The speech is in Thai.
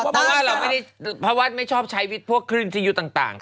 เพราะว่าเราไม่ได้พระวัติไม่ชอบใช้พวกคริมซียูต่างค่ะ